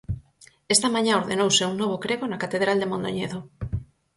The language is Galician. Esta mañá ordenouse un novo crego na catedral de Mondoñedo.